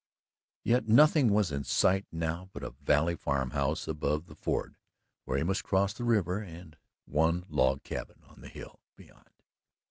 Yet nothing was in sight now but a valley farmhouse above the ford where he must cross the river and one log cabin on the hill beyond.